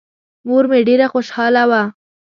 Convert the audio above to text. مور مې ډېره خوشحاله وه.